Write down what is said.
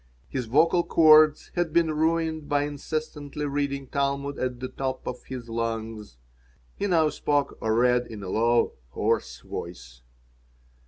His vocal cords had been ruined by incessantly reading Talmud at the top of his lungs. He now spoke or read in a low, hoarse voice.